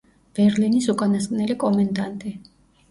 ბერლინის უკანასკნელი კომენდანტი.